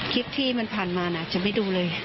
คลิปที่มันผ่านมาจะไม่ดูเลย